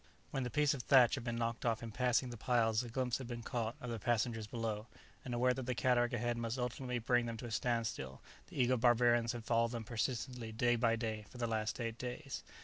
When the piece of thatch had been knocked off in passing the piles a glimpse had been caught of the passengers below, and aware that the cataract ahead must ultimately bring them to a standstill, the eager barbarians had followed them persistently day by day for the last eight days.